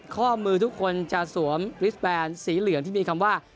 ข้อมือทุกคนจะสวมริสแบนสีเหลืองที่มีคำว่า